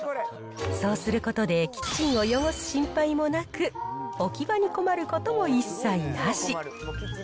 そうすることでキッチンを汚す心配もなく、置き場に困ることも一切なし。